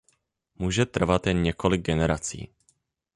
Může trvat jen několik generací.